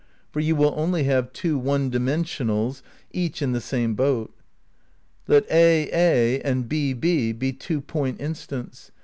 For you will only have two one dimensionals, each in the same boat. Let aA and &B be two point instants.